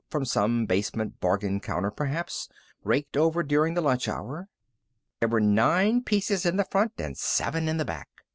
From some basement bargain counter, perhaps, raked over during the lunch hour. There were nine pieces in the front, and seven in the back.